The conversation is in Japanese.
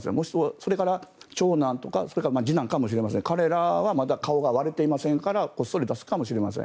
それから長男や次男かもしれませんが彼らはまだ顔が割れていませんからこっそり出すかもしれません。